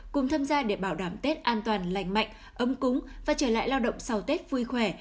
cùng tham gia để bảo đảm tết an toàn lành mạnh ấm cúng và trở lại lao động sau tết vui khỏe